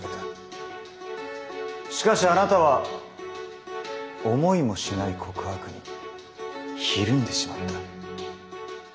しかしあなたは思いもしない告白にひるんでしまった。